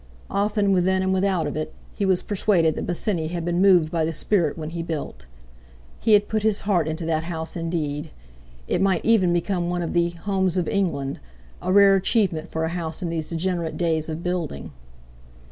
Often, within and without of it, he was persuaded that Bosinney had been moved by the spirit when he built. He had put his heart into that house, indeed! It might even become one of the "homes of England"—a rare achievement for a house in these degenerate days of building.